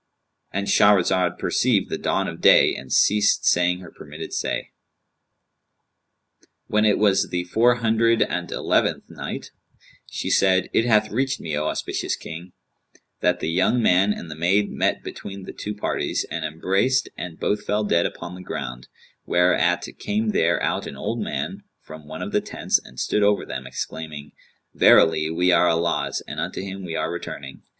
"—And Shahrazad perceived the dawn of day and ceased saying her permitted say. When it was the Four Hundred ante Eleventh Night, She said, It hath reached me, O auspicious King, that "the young man and the maid met between the two parties and embraced and both fell dead upon the ground; whereat came there out an old man from one of the tents and stood over them exclaiming, 'Verily, we are Allah's and unto Him we are returning!'